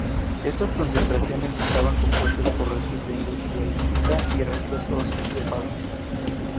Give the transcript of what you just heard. Estas concentraciones estaban compuestas por restos de industria lítica y restos óseos de fauna.